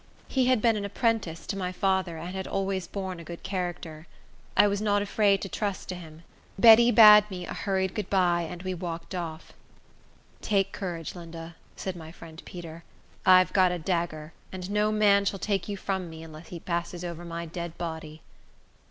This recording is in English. He had been an apprentice to my father, and had always borne a good character. I was not afraid to trust to him. Betty bade me a hurried good by, and we walked off. "Take courage, Linda," said my friend Peter. "I've got a dagger, and no man shall take you from me, unless he passes over my dead body."